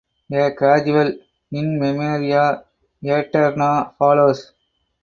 A gradual ("In memoria aeterna") follows.